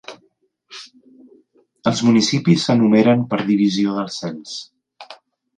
Els municipis s'enumeren per divisió del cens.